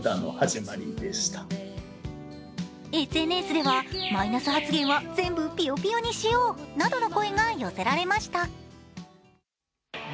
ＳＮＳではマイナス発言は全部ぴよぴよにしようなどの声が寄せられました。